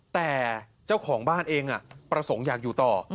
แต่เจ้าของบ้านเองประสงค์อยากอยู่ต่อ